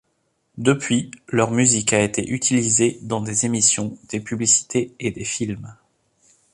Depuis, leur musique a été utilisée dans des émissions, des publicités et des films.